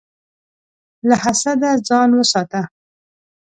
له حسده ځان وساته.